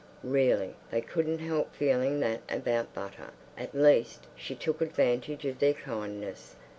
Really they couldn't help feeling that about butter, at least, she took advantage of their kindness.